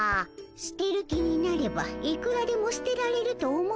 捨てる気になればいくらでも捨てられると思うがの。